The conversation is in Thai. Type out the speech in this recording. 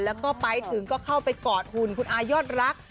แล้วก็ไปถึงก็เข้าไปกอดหุ่นคุณอายอดรัก